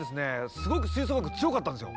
すごく吹奏楽部強かったんですよ。